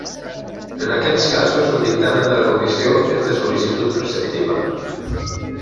En aquests casos, el dictamen de la Comissió és de sol·licitud preceptiva.